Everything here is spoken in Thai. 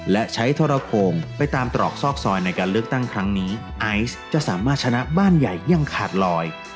และใช้ทรโพงไปตามตรอกซอกซอยในการเลือกตั้งครั้งนี้ไอซ์จะสามารถชนะบ้านใหญ่ยังขาดลอย